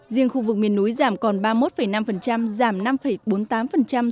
riêng khu vực miền núi giảm còn ba mươi một năm giảm năm bốn mươi tám so với năm hai nghìn một mươi tám